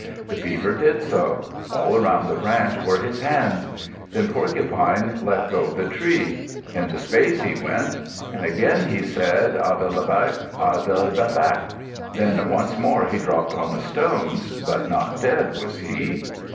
The Beaver did so. All around the branch were his hands. Then Porcupine let go the tree. Into space he went. Again he said, "An de be laq! An de be laq!" Then once more he dropped on the stones, but not dead was he!